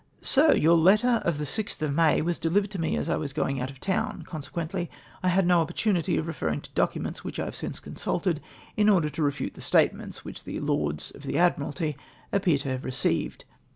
Sir, — Your letter of the 6th of May was delivered to me as I was going out of town, consequently I had no oppor tunity of referring to documents which I have since consulted, in order to refu.te the statements which the Lords of the Ad miralty appear to have received.